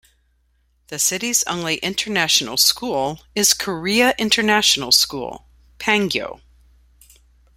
The city's only international school is Korea International School - Pangyo.